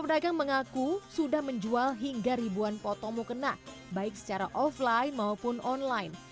pedagang mengaku sudah menjual hingga ribuan potong mukena baik secara offline maupun online